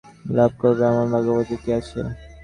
আমি কতদিন ভেবেছি বিনয়কে সে লাভ করবে এমন ভাগ্যবতী কে আছে।